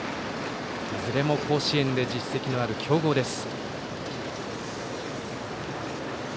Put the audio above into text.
いずれも甲子園で実績のある強豪です。